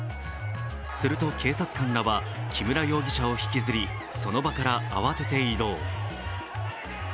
すると警察官らは木村容疑者を引きずりその場から慌てて移動。